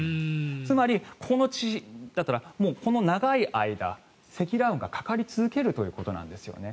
つまり、この長い間積乱雲がかかり続けるということなんですね。